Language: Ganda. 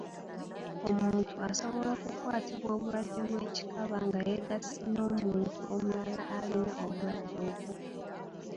Omuntu asobola okukwatibwa obulwadde bw’ekikaba nga yeegasse n’omuntu omulala alina obulwadde obwo.